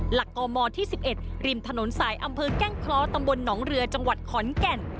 หลักกมที่๑๑ริมถนนสายอำเภอแก้งเคราะห์ตำบลหนองเรือจังหวัดขอนแก่น